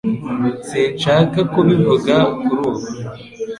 Sinshaka kubivuga kuri ubu